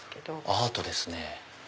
アートですね